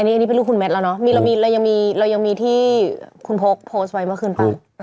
อันนี้เป็นลูกคุณแมทแล้วเนาะเรายังมีที่คุณพกโพสต์ไว้เมื่อคืนไป